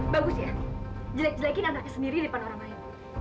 bagus ya jelek jelekin anaknya sendiri di panah ramai